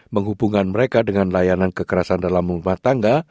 menghubungkan mereka dengan layanan kekerasan dalam rumah tangga